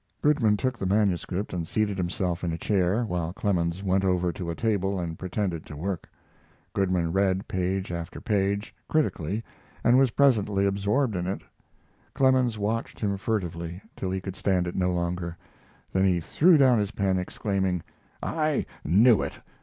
Goodman took the manuscript and seated himself in a chair, while Clemens went over to a table and pretended to work. Goodman read page after page, critically, and was presently absorbed in it. Clemens watched him furtively, till he could stand it no longer. Then he threw down his pen, exclaiming: "I knew it!